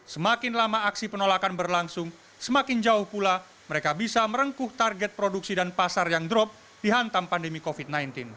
semakin lama aksi penolakan berlangsung semakin jauh pula mereka bisa merengkuh target produksi dan pasar yang drop dihantam pandemi covid sembilan belas